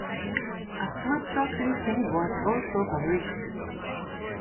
A full track listing was also published.